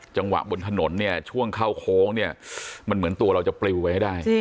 จังหวะบนถนนเนี่ยช่วงเข้าโค้งเนี่ยมันเหมือนตัวเราจะปลิวไว้ให้ได้